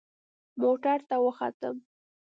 موټر ته وختم.